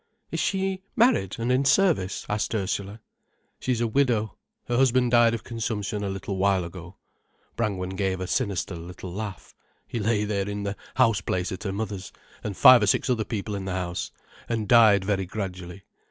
"Is she married and in service?" asked Ursula. "She is a widow. Her husband died of consumption a little while ago." Brangwen gave a sinister little laugh. "He lay there in the house place at her mother's, and five or six other people in the house, and died very gradually.